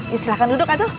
ya silahkan duduk atul